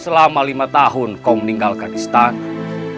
selama lima tahun kau meninggalkan istana